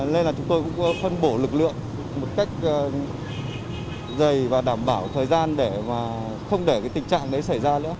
nên là chúng tôi cũng phân bổ lực lượng một cách dày và đảm bảo thời gian để không để tình trạng đấy xảy ra nữa